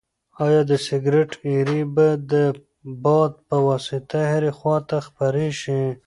ایا د سګرټ ایرې به د باد په واسطه هرې خواته خپرې شي؟